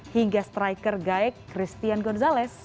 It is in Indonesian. hingga striker gaik christian gonzalez